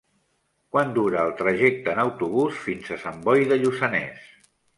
Quant dura el trajecte en autobús fins a Sant Boi de Lluçanès?